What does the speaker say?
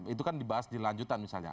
itu kan dibahas di lanjutan misalnya